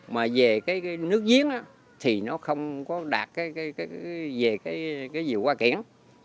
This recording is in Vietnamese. mà về cái nước giếng á thì nó không có đạt cái về cái gì qua kiển